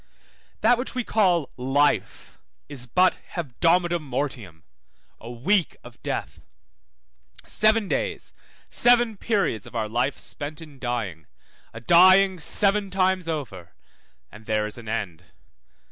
That which we call life is but hebdomada mortium, a week of death, seven days, seven periods of our life spent in dying, a dying seven times over; and there is an end.